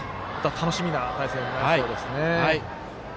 楽しみな対戦になりそうですね。